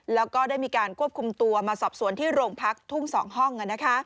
แล้วก็ได้มีการควบคุมตัวมาสอบสวนที่โรงพักทุ่ง๒ห้อง